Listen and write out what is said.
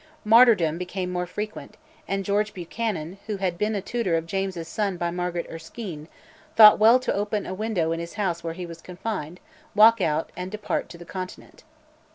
Martyrdoms became more frequent, and George Buchanan, who had been tutor of James's son by Margaret Erskine, thought well to open a window in a house where he was confined, walk out, and depart to the Continent.